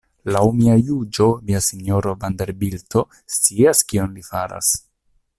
Laŭ mia juĝo via Sinjoro Vanderbilto scias kion li faras.